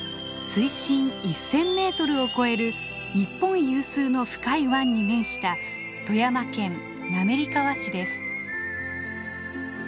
水深１，０００メートルを超える日本有数の深い湾に面した富山県滑川市です。